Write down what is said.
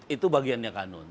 itu bagiannya kanun